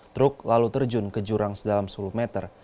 truk lalu terjun ke jurang sedalam sepuluh meter